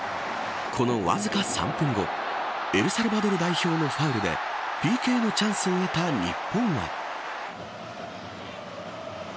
このわずか３分後エルサルバドル代表のファウルでＰＫのチャンスを得た日本は。